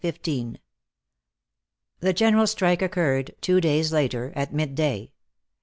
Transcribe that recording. The general strike occurred two days later, at mid day.